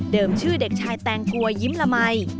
ชื่อเด็กชายแตงกวยยิ้มละมัย